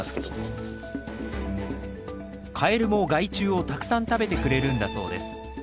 カエルも害虫をたくさん食べてくれるんだそうです。